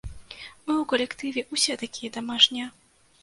Мы ў калектыве ўсе такія дамашнія.